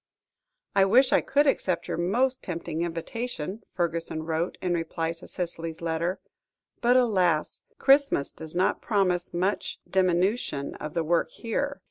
"I wish I could accept your most tempting invitation," Fergusson wrote, in reply to Cicely's letter; "but, alas! Christmas does not promise much diminution of the work here.